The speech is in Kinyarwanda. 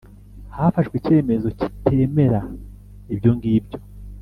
Hafashwe icyemezo kitemera ibyongibyo.